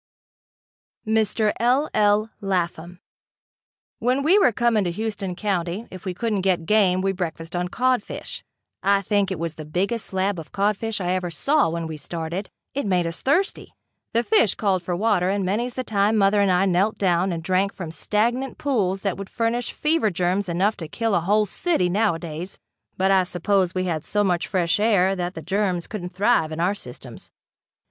Mr. L. L. Lapham. When we were coming to Houston County, if we couldn't get game we breakfasted on codfish. I think it was the biggest slab of codfish I ever saw when we started. It made us thirsty. The fish called for water and many's the time mother and I knelt down and drank from stagnant pools that would furnish fever germs enough to kill a whole city nowadays, but I suppose we had so much fresh air that the germs couldn't thrive in our systems.